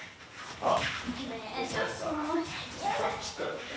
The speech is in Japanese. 「あっ？」